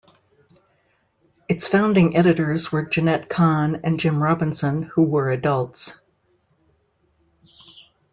Its founding editors were Jenette Kahn and Jim Robinson, who were adults.